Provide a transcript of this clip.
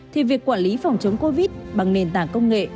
thì việc quản lý phòng chống covid bằng nền tảng công nghệ